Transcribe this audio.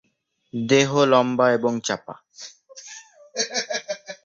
দেহ লম্বা এবং চাপা।